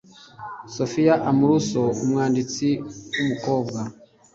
Sophia Amoruso, umwanditsi wumukobwa